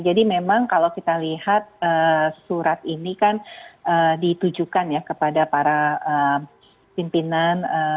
jadi memang kalau kita lihat surat ini kan ditujukan kepada para pimpinan